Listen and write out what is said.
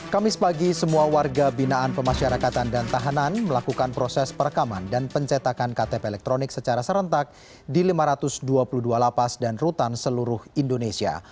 kamis pagi semua warga binaan pemasyarakatan dan tahanan melakukan proses perekaman dan pencetakan ktp elektronik secara serentak di lima ratus dua puluh dua lapas dan rutan seluruh indonesia